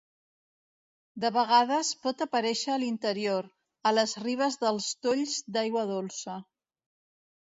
De vegades, pot aparèixer a l'interior, a les ribes dels tolls d'aigua dolça.